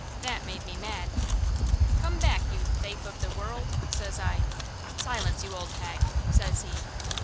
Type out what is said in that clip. That made me mad. "'Come back, you thafe of the worruld!' says I. "'Silence, you old hag!' says he.